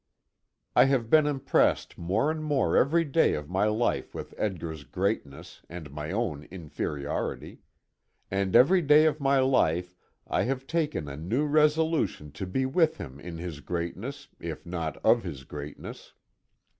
I have been impressed more and more every day of my life with Edgar's greatness and my own inferiority. And every day of my life, I have taken a new resolution to be with him in his greatness, if not of his greatness.